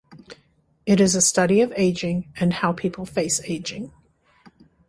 It is a study of aging and how people face aging.